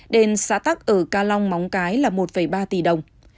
đền xã tắc ở ca long móng cái là một ba tỷ đồng